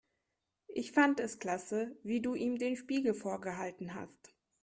Ich fand es klasse, wie du ihm den Spiegel vorgehalten hast.